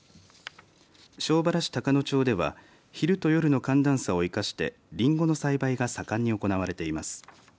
庄原市高野町では昼と夜の寒暖差を生かしてりんごの栽培が盛んに行われています。